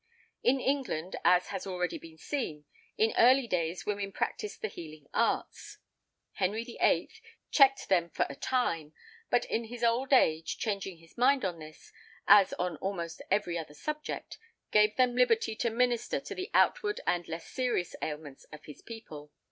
In England, as has already been seen, in early days women practised the healing arts. Henry VIII. checked them for a time, but in his old age, changing his mind on this, as on almost every other subject, gave them liberty to minister to the outward and less serious ailments of his people.